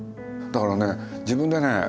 だからね自分でね